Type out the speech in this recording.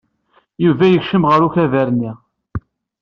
Yuba yekcem ɣer ukabar-nni.